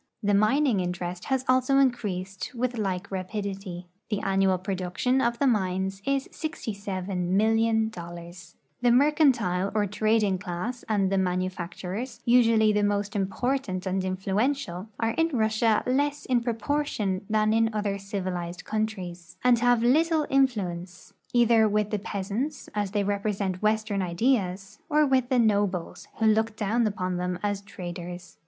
The mining interest has also increased with like rapidity ; the annual production of the mines is $67,000,000. The mercantile or trading class and the manufacturers, usually IG RUSSIA IX EUROPE the most im])ortaiit and influential, are in Russia less in pro portion tlian in other civilized countries, and have little influ ence, either witli tlie peasants, as they represent western ideas, or with the nobles, avIio look down upon them as traders.